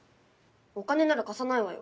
お金なら貸さないわよ